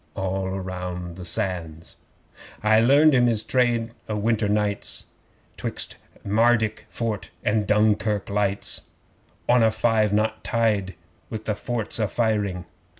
(All round the Sands!) 'I learned him his trade o' winter nights, 'Twixt Mardyk Fort and Dunkirk lights On a five knot tide with the forts a firing.